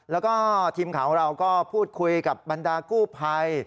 แล้วก็ทีมข่าวของเราก็พูดคุยกับบรรดากู้ภัย